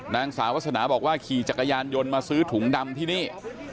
นางสาวาสนาบอกว่าขี่จักรยานยนต์มาซื้อถุงดำที่นี่